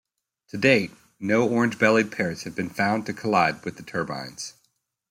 To date no orange-bellied parrots have been found to collide with the turbines.